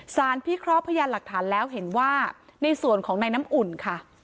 พิเคราะห์พยานหลักฐานแล้วเห็นว่าในส่วนของในน้ำอุ่นค่ะ